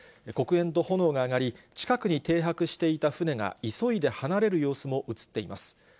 黒煙と炎が上がり、近くに停泊していた船が、急いで離れる様子も写っています。